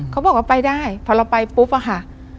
เขาบอกว่าไปได้พอเราไปปุ๊บอะค่ะ